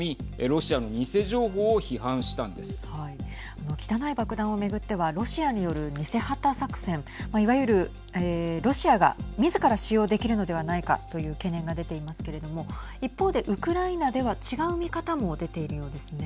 あの汚い爆弾を巡ってはロシアによる偽旗作戦、いわゆるロシアがみずから使用できるのではないかという懸念が出ていますけれども一方でウクライナでは違う見方も出ているようですね。